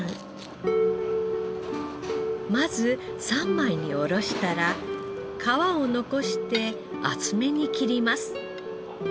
まず三枚に下ろしたら皮を残して厚めに切ります。